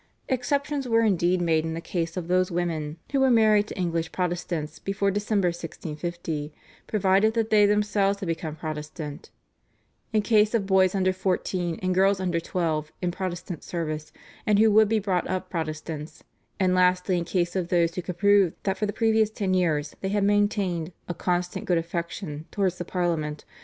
Exceptions were indeed made in the case of those women who were married to English Protestants before December 1650, provided that they themselves had become Protestant; in case of boys under fourteen and girls under twelve in Protestant service and who would be brought up Protestants, and lastly in case of those who could prove that for the previous ten years they had maintained "a constant good affection" towards the Parliament.